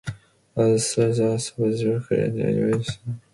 Other stores later opened in Chilliwack and New Westminster.